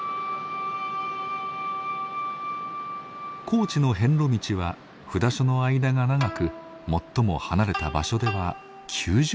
高知の遍路道は札所の間が長く最も離れた場所では９０キロ。